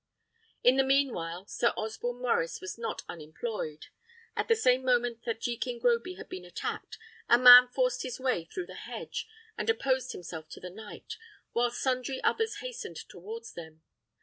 In the mean while Sir Osborne Maurice was not unemployed. At the same moment that Jekin Groby had been attacked, a man forced his way through the hedge, and opposed himself to the knight, while sundry others hastened towards them.